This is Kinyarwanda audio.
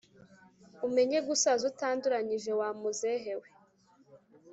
Umenye gusaza utanduranyije wa muzehe we